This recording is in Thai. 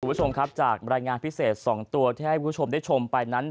คุณผู้ชมครับจากรายงานพิเศษ๒ตัวที่ให้คุณผู้ชมได้ชมไปนั้น